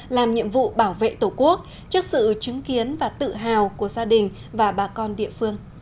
làm nhiệm vụ bảo vệ tổ quốc trước sự chứng kiến và tự hào của gia đình và bà con địa phương